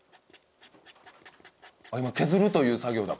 あっ今削るという作業だ